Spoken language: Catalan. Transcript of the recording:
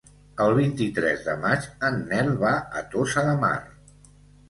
El vint-i-tres de maig en Nel va a Tossa de Mar.